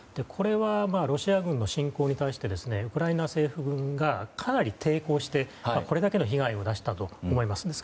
これはロシア軍の侵攻に対してウクライナ政府軍がかなり抵抗してこれだけの被害を出したんだと思います。